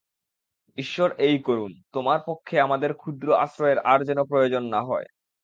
ঈশ্বর এই করুন, তোমার পক্ষে আমাদের ক্ষুদ্র আশ্রয়ের আর যেন প্রয়োজন না হয়।